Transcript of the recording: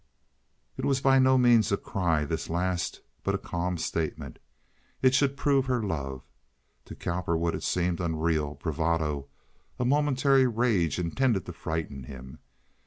It was by no means a cry, this last, but a calm statement. It should prove her love. To Cowperwood it seemed unreal, bravado, a momentary rage intended to frighten him.